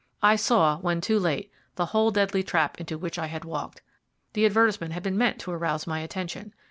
I saw, when too late, the whole deadly trap into which I had walked. The advertisement had been meant to arouse my attention.